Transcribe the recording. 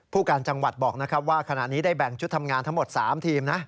การจังหวัดบอกนะครับว่าขณะนี้ได้แบ่งชุดทำงานทั้งหมด๓ทีมนะ